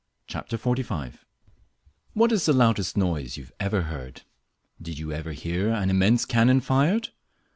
"_ THE STILL SMALL VOICE What is the loudest noise you ever heard? Did you ever hear an immense cannon fired?